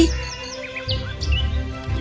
pixie tiba di rumahnya